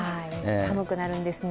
寒くなるんですね。